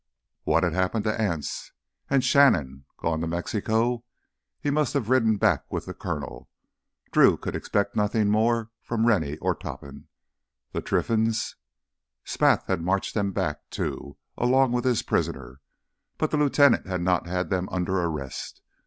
What had happened to Anse? And Shannon—gone to Mexico? He must have ridden back with the Coronel. Drew could expect nothing more from Rennie, or Topham. The Trinfans? Spath had marched them back, too, along with his prisoner, but the lieutenant had not had them under arrest.